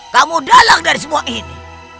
kamu dalang dari semua ini